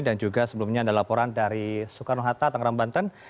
dan juga sebelumnya ada laporan dari soekarno hatta tangerang banten